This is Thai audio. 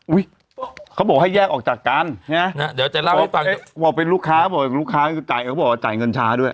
อุ๊ยเค้าบอกให้แยกออกจากกันเค้าบอกเป็นลูกค้าเค้าบอกว่าจ่ายเงินช้าด้วย